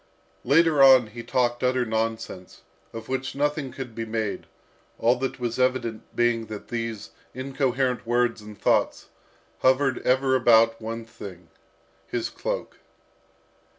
Later on he talked utter nonsense, of which nothing could be made, all that was evident being that these incoherent words and thoughts hovered ever about one thing, his cloak.